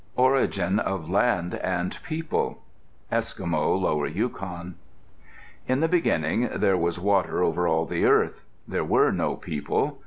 ORIGIN OF LAND AND PEOPLE Eskimo (Lower Yukon) In the beginning there was water over all the earth. There were no people.